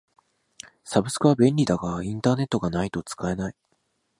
サブスクは便利だがインターネットがないと使えない。